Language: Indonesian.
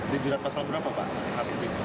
di jurat pasal berapa pak